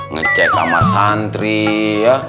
ngecek kamar santri ya